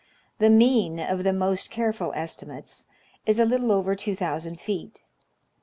The mean of the most careful esti mates is a little over 2,000 feet.